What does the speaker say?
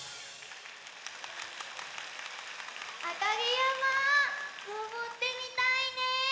あかぎやまのぼってみたいね。